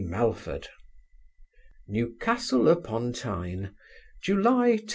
MELFORD NEWCASTLE UPON TYNE, July 10.